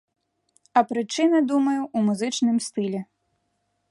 А прычына, думаю, у музычным стылі.